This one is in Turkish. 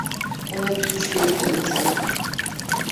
Onları suçlayabilir misin?